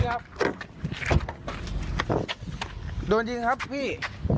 ครับโดนยิงครับพี่